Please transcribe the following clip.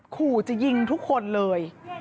ขู่จะยิงทุกคนเลย